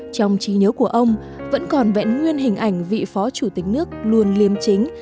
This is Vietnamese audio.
trong trí nhớ của ông vẫn còn vẹn nguyên hình ảnh vị phó chủ tịch nước luôn liêm chính